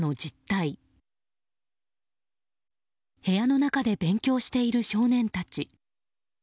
部屋の中で勉強している少年たち。